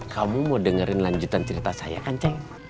kamu mau dengerin lanjutan cerita saya kan ceng